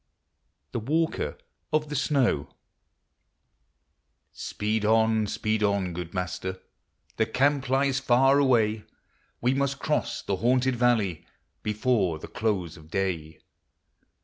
THE WALKER OF THE SNOW. Speed on, speed on, good Master ! The camp lies far away ; We must cross the haunted valley Before the close of day.